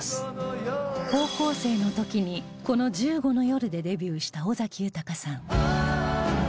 高校生の時にこの『１５の夜』でデビューした尾崎豊さん